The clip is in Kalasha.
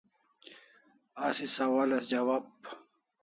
Asi sawal as jawab